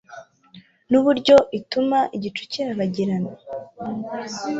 n'uburyo ituma igicu kirabagirana